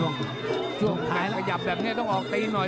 ช่วงท้ายขยับแบบนี้ต้องออกตีหน่อย